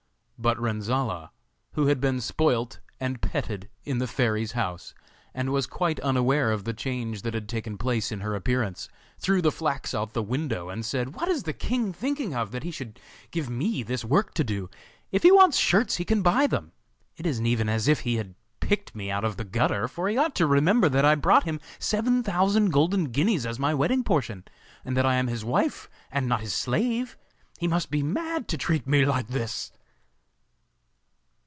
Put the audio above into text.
But Renzolla, who had been spoilt and petted in the fairy's house, and was quite unaware of the change that had taken place in her appearance, threw the flax out of the window and said: 'What is the king thinking of that he should give me this work to do? If he wants shirts he can buy them. It isn't even as if he had picked me out of the gutter, for he ought to remember that I brought him seven thousand golden guineas as my wedding portion, and that I am his wife and not his slave. He must be mad to treat me like this.